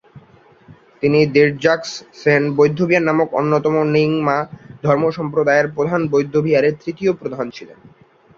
তিনি র্দ্জোগ্স-ছেন বৌদ্ধবিহার নামক অন্যতম র্ন্যিং-মা ধর্মসম্প্রদায়ের প্রধান বৌদ্ধবিহারের তৃতীয় প্রধান ছিলেন।